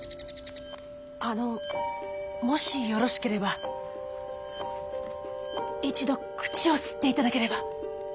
あのもしよろしければ一度口を吸って頂ければ！